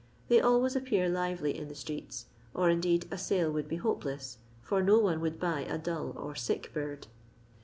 They always appear lively in the streets, or indeed a sale would be hopeless, for no one would buy a dull or sick bird.